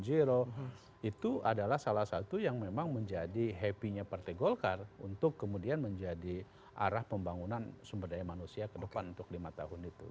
itu adalah salah satu yang memang menjadi happy nya partai golkar untuk kemudian menjadi arah pembangunan sumber daya manusia ke depan untuk lima tahun itu